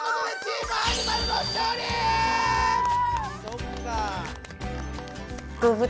そっかあ。